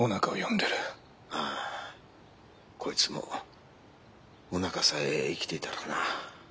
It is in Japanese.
こいつもおなかさえ生きていたらな。